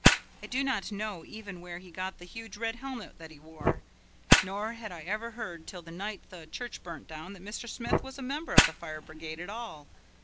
I do not know even where he got the huge red helmet that he wore, nor had I ever heard till the night the church burnt down that Mr. Smith was a member of the fire brigade at all.